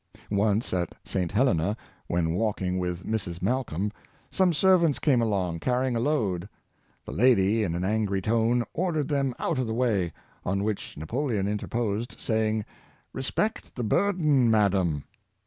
Once, at St. Helena, when walking with Mrs. Balcombe, some servants came along, carrying a load. The lady, in an angry tone, ordered them out of the way, on which Napoleon interposed, saying, " Re spect the burden, madam."